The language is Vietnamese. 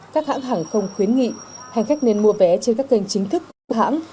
các hãng hàng không khuyến nghị hành khách nên mua vé trên các kênh chính thức của hãng